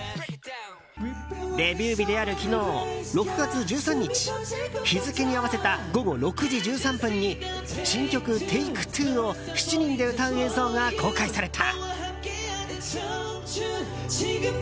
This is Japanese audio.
デビュー日である昨日、６月１３日日付に合わせた午後６時１３分に新曲「ＴａｋｅＴｗｏ」を７人で歌う映像が公開された。